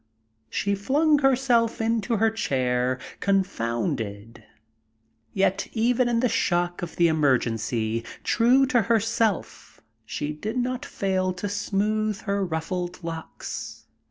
She flung herself into her chair, confounded; yet, even in the shock of the emergency, true to herself, she did not fail to smooth her ruffled locks.